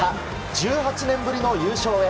１８年ぶりの優勝へ。